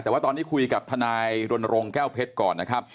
แต่ว่าตอนนี้คุยกับทนายรณรงค์แก้วเพชรก่อนนะครับ